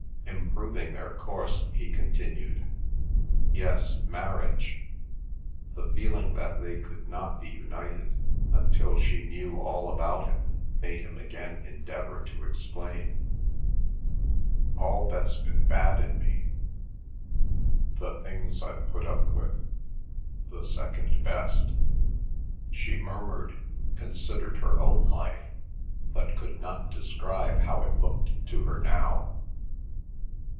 Improving their course, he continued, "Yes, marriage." The feeling that they could not be united until she knew all about him made him again endeavour to explain. "All that's been bad in me, the things I've put up with—the second best—" She murmured, considered her own life, but could not describe how it looked to her now.